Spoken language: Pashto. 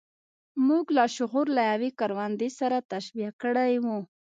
موږ لاشعور له يوې کروندې سره تشبيه کړی و.